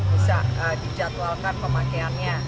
bisa dicatwalkan pemakaiannya